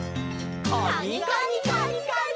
カニカニカニカニ。